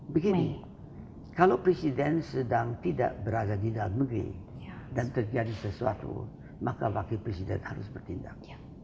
begini kalau presiden sedang tidak berada di dalam negeri dan terjadi sesuatu maka wakil presiden harus bertindak